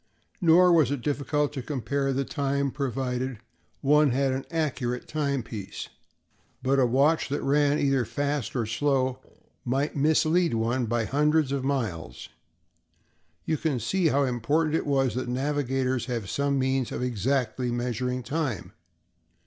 Nor was it difficult to compare the time provided one had an accurate timepiece, but a watch that ran either fast or slow might mislead one by hundreds of miles. You can see how important it was that navigators have some means of exactly measuring time.